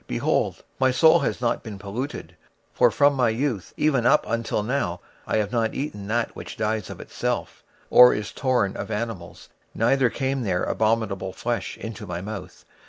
behold, my soul hath not been polluted: for from my youth up even till now have I not eaten of that which dieth of itself, or is torn in pieces; neither came there abominable flesh into my mouth.